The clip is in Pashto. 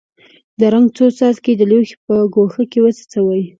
د رنګ څو څاڅکي د لوښي په ګوښه کې وڅڅوئ.